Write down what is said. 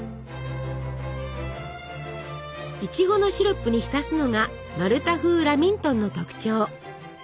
いちごのシロップに浸すのがマルタ風ラミントンの特徴。